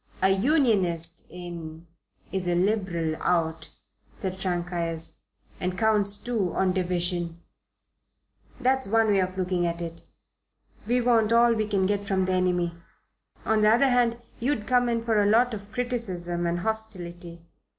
"A Unionist in is a Liberal out," said Frank Ayres, "and counts two on division. That's one way of looking at it. We want all we can get from the enemy. On the other hand, you'd come in for a lot of criticism and hostility.